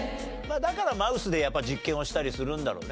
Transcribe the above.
だからマウスでやっぱ実験をしたりするんだろうね。